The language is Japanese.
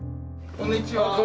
こんにちは。